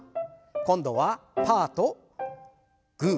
今度はパーとグー。